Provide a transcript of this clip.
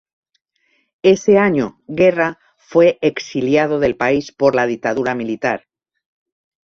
Ese año Guerra fue exiliado del país por la dictadura militar.